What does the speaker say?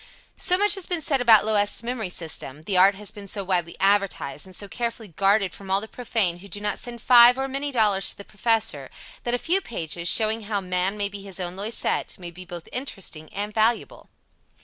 So much has been said about Loisette's memory system, the art has been so widely advertised, and so carefully guarded from all the profane who do not send five or many dollars to the Professor, that a few pages, showing how man may be his own Loisette, may be both interesting and valuable.